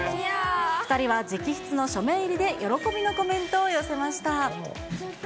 ２人は直筆の署名入りで喜びのコメントを寄せました。